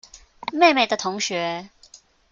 妹妹的同學